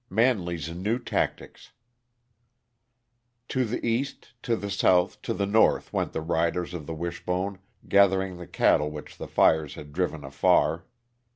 MANLEY'S NEW TACTICS To the east, to the south, to the north went the riders of the Wishbone, gathering the cattle which the fires had driven afar.